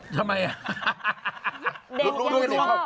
ทำไมอ่ะ